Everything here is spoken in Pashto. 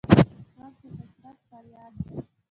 غږ د حسرت فریاد دی